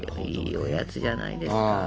いいおやつじゃないですか。